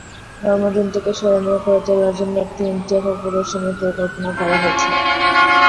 জন্মদিনটিকে স্মরণীয় করে তোলার জন্য তিনটি একক প্রদর্শনীর পরিকল্পনা করা হয়েছে।